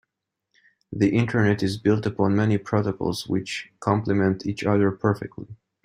The internet is built upon many protocols which compliment each other perfectly.